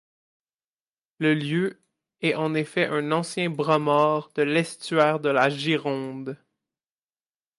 Le lieu est en effet un ancien bras mort de l'estuaire de la Gironde.